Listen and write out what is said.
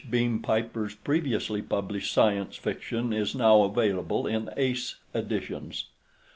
Beam Piper's previously published science fiction is now available in Ace editions.